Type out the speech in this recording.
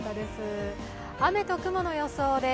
雨と雲の予想です。